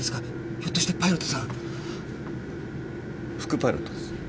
ひょっとしてパイロットさん？副パイロットです。